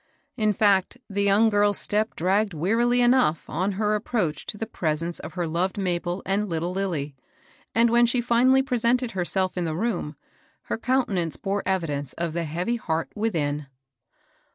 In fact the young girl's step dragged wearily enough on her approach to the presence of her loved Ma bel and little Lilly, and when she finally presented herself in the room, her countenance bore evi dence of the heavy heart witfiin.